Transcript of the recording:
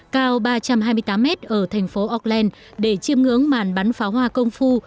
cao ba trăm hai mươi tám mét ở thành phố auckland để chiêm ngưỡng màn bắn pháo hoa công phu